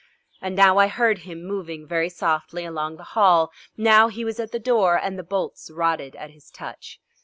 And now I heard him moving very softly along the hall. Now he was at the door, and the bolts rotted at his touch.